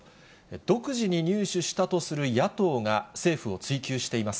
独自に入手したとする野党が、政府を追及しています。